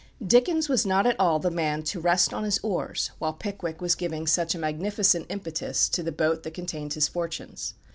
Dickens was not at all the man to rest on his oars while "Pickwick" was giving such a magnificent impetus to the boat that contained his fortunes.